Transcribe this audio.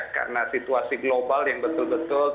karena situasi global yang betul betul